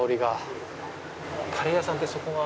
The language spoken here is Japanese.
カレー屋さんってそこが。